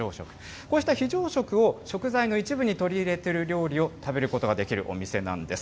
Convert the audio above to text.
こうした非常食を食材の一部に取り入れている料理を食べることができるお店なんです。